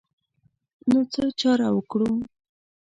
نو څه چاره وکړو.